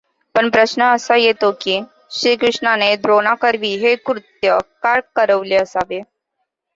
पण प्रश्न असा येतो की, श्रीकृष्णाने द्रोणांकरवी हे कृत्य का करविले असावे?